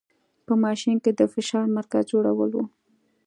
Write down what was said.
په ماشین کې د فشار مرکز جوړول و.